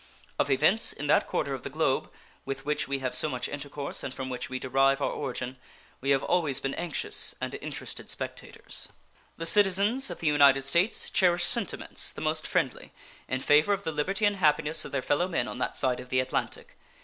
Of events in that quarter of the globe, with which we have so much intercourse and from which we derive our origin, we have always been anxious and interested spectators. The citizens of the United States cherish sentiments the most friendly in favor of the liberty and happiness of their fellow men on that side of the Atlantic.